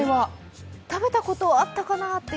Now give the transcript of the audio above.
食べたことはあったかなという。